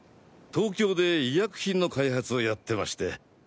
東京で医薬品の開発をやってまして。